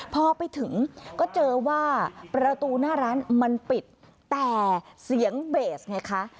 พอไปถึงก็เจอว่าประตูหน้าร้านมันปิดแต่เสียงเบสไงคะ